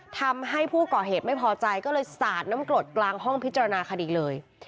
ทำให้ผู้ก่อเหตุไม่พอใจก็เลยสาดน้ำกรดกลางห้องพิจารณาคดีเลย